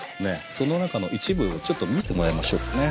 その中の一部をちょっと見てもらいましょうかね。